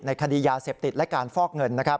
คดียาเสพติดและการฟอกเงิน